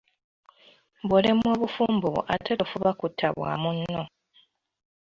Bw'olemwa obufumbo bwo ate tofuba kutta bwa munno.